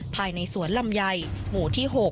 ภายในสวนลำไยหมู่ที่๖